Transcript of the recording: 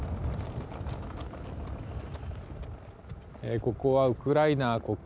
ここはウクライナ国境。